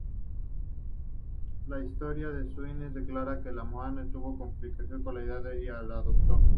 Los historiadores suníes declaran que Mahoma estuvo complacido con la idea y la adoptó.